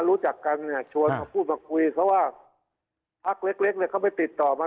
รู้จักกันเนี่ยชวนมาพูดมาคุยเขาว่าพักเล็กเนี่ยเขาไปติดต่อมา